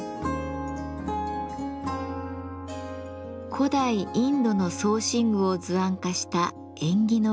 古代インドの装身具を図案化した縁起のいい丸文。